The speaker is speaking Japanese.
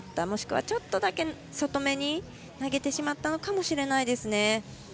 もしくはちょっとだけ外めに投げてしまったのかもしれないですね。